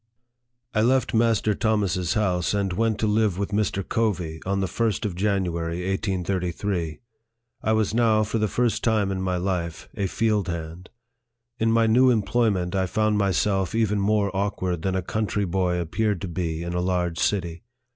I LEFT Master Thomas's house, and went to live witfo Mr. Covey, on the 1st of January, 1833. I was now, for the first time in my life, a field hand. In my new employment, I found myself even more awkward than a country boy appeared to be in a large city.